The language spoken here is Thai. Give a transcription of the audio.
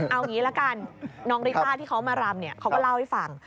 เอางี้ละกันน้องริต้าที่เขามารำเนี่ยเขาก็เล่าให้ฟัง